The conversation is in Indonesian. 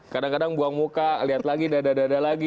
kadang kadang buang muka lihat lagi dadadada lagi